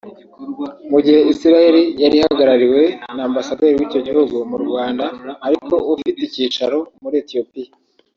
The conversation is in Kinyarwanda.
mu gihe Israel yari ihagarariwe na Ambasaderi w’icyo gihugu mu Rwanda ariko ufite icyicaro muri Ethiopia